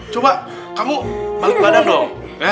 coba kamu balik badan dong